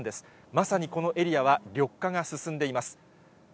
まさにこのエリアは緑化が進んでいます。